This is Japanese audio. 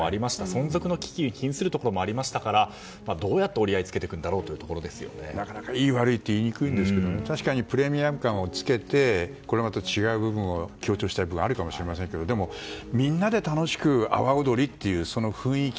存続の危機に瀕するところもありましたからどうやって折り合いをつけていくんだろうなかなか、いい悪いって言いにくいんですけど確かにプレミアム感をつけてこれまでと違う部分を強調したい部分はあるのかもしれませんがでも、みんなで楽しく阿波踊りというその雰囲気